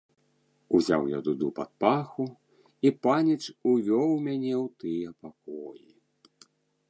Узяў я дуду пад паху, і паніч увёў мяне ў тыя пакоі.